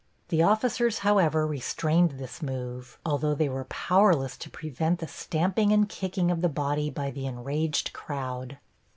The officers, however, restrained this move, although they were powerless to prevent the stamping and kicking of the body by the enraged crowd.